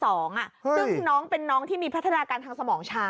ซึ่งน้องเป็นน้องที่มีพัฒนาการทางสมองช้า